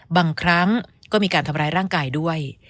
บางครั้งก็มีการทำร้ายร่างกายด้วย